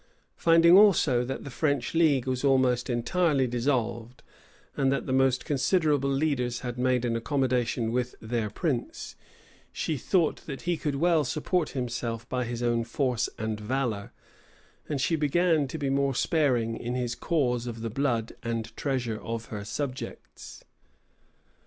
Finding also that the French league was almost entirely dissolved, and that the most considerable leaders had made an accommodation with their prince, she thought that he could well support himself by his own force and valor; and she began to be more sparing in his cause of the blood and treasure of her subjects.